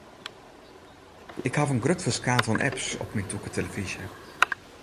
Ik haw in grut ferskaat oan apps op myn tûke telefyzje.